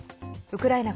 ウクライナ